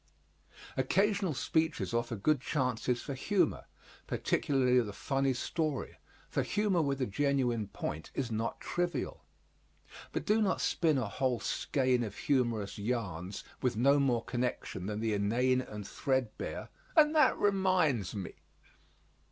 Occasional speeches offer good chances for humor, particularly the funny story, for humor with a genuine point is not trivial. But do not spin a whole skein of humorous yarns with no more connection than the inane and threadbare "And that reminds me."